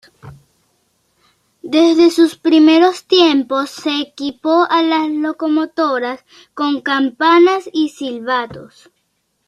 Desde sus primeros tiempos se equipó a las locomotoras con campanas y silbatos.